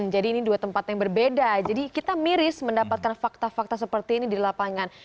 jadi ini dua tempat yang berbeda jadi kita miris mendapatkan fakta fakta seperti ini di lapangan